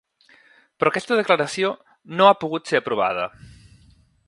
Però aquesta declaració no ha pogut ser aprovada.